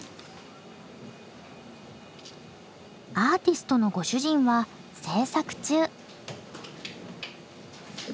アーティストのご主人は制作中。